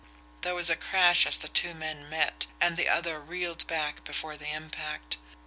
There was a crash as the two men met and the other reeled back before the impact.